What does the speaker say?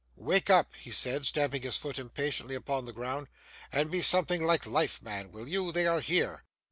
'Wake up,' he said, stamping his foot impatiently upon the ground, 'and be something like life, man, will you? They are here.